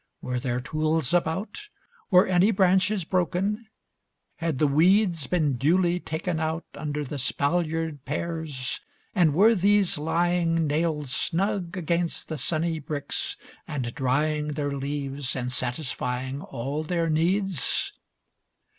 Were their tools about? Were any branches broken? Had the weeds Been duly taken out Under the 'spaliered pears, and were these lying Nailed snug against the sunny bricks and drying Their leaves and satisfying all their needs?